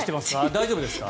大丈夫ですか？